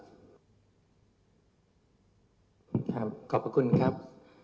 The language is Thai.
ครับขอบพระคุณครับ